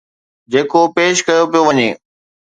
جيڪو پيش ڪيو پيو وڃي